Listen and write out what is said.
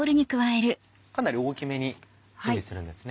かなり大きめに準備するんですね。